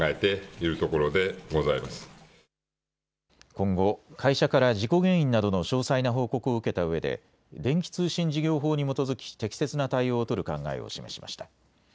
今後、会社から事故原因などの詳細な報告を受けたうえで電気通信事業法に基づき適切な対応を取る考えを示しました。